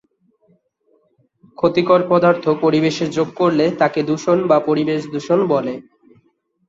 ক্ষতিকর পদার্থ পরিবেশে যোগ করলে তাকে দূষণ বা পরিবেশ দূষণ বলে।